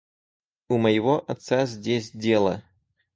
У моего отца здесь дело.